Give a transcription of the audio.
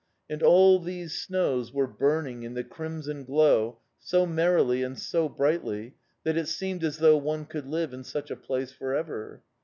And all these snows were burning in the crimson glow so merrily and so brightly that it seemed as though one could live in such a place for ever.